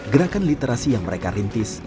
gerakan literasi yang mereka rintis